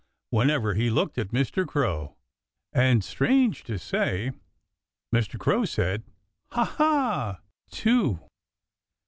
whenever he looked at Mr. Crow. And strange to say, Mr. Crow said, "Ha, ha!" too.